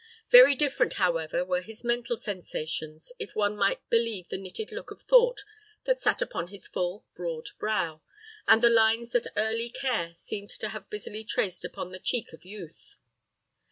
Very different, however, were his mental sensations, if one might believe the knitted look of thought that sat upon his full, broad brow, and the lines that early care seemed to have busily traced upon the cheek of youth.